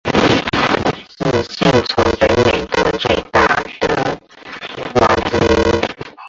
是现存北美的最大的蛙之一。